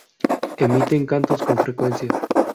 Emiten cantos con frecuencia.